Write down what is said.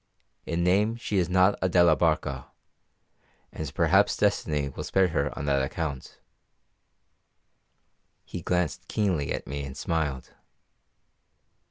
In name she is not a de la Barca, and perhaps destiny will spare her on that account." He glanced keenly at me and smiled.